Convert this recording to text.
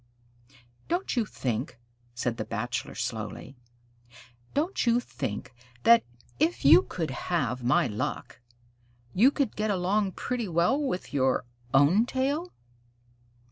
"Don't you think?" said the Bachelor slowly, "don't you think that, if you could have my luck, you could get along pretty well with your own tail?"